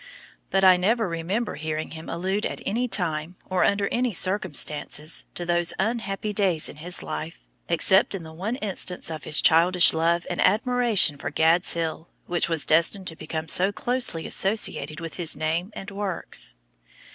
But I never remember hearing him allude at any time, or under any circumstances, to those unhappy days in his life except in the one instance of his childish love and admiration for "Gad's Hill," which was destined to become so closely associated with his name and works.